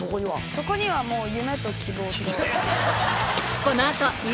そこにはもう夢と希望と。